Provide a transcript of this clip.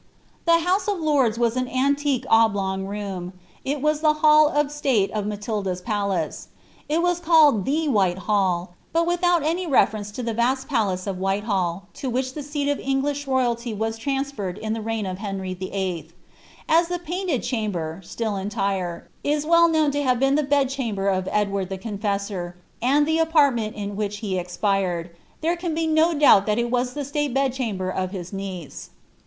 115 The House of Lords was an antique oblong room ; it was the hall uf state of Matilda's palace ; it was called the white hall, but without ■ny reference to the Tast palace oi Whitehall, to which the seat of Eng^ iish Tojdlty was trensierred in the reign of Henry VIII. As the Painted Chamber, still entire, is well known to have been the bedchamber of Edward the Confessor, and the apartment in which he expired,* there can be no doubt but that it was the state bedchamber of his niece.